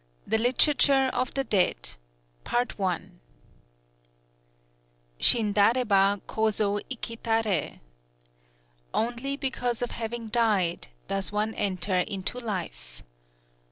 The Literature of the Dead Shindaréba koso ikitaré. "Only because of having died, does one enter into life."